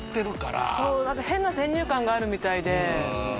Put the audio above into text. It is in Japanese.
そうなんか変な先入観があるみたいで。